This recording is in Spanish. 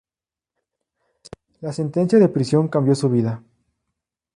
La sentencia de prisión cambió su vida.